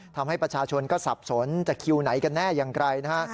ทำให้ประชาชนก็สับสนจะคิวไหนกันแน่อย่างไรนะฮะ